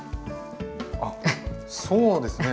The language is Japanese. あっそうですね。